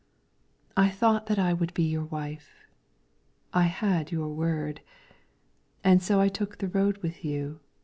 I thought that I would be your wife ; I had your word. And so I took the road with you.